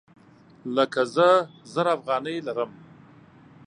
لکه زه زر افغانۍ لرم